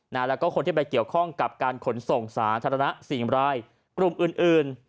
แล้วก็คนที่ไปเกี่ยวข้องกับการขนส่งสาธารณะสี่รายกลุ่มอื่นอื่น